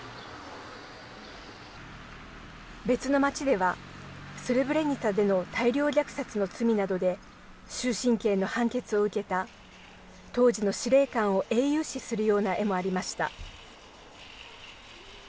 別の町ではスレブレニツァでの大量虐殺の罪などで終身刑の判決を受けた当時の司令官を英雄視するような絵もありました。